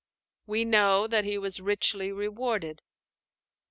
We know that he was richly rewarded.